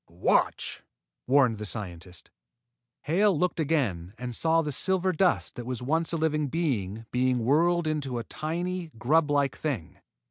"Watch!" warned the scientist. Hale looked again and saw the silver dust that was once a living body being whirled into a tiny, grublike thing.